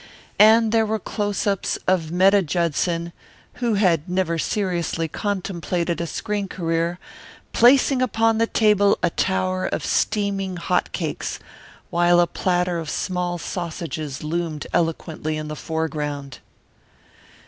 And there were close ups of Metta Judson, who had never seriously contemplated a screen career, placing upon the table a tower of steaming hot cakes, while a platter of small sausages loomed eloquently in the foreground.